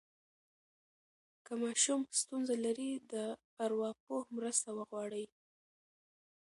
که ماشوم ستونزه لري، د ارواپوه مرسته وغواړئ.